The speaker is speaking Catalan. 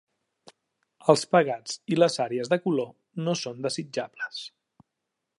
Els pegats i les àrees de color no són desitjables.